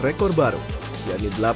memperolehkan rekor baru